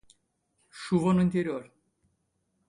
Chuva no interior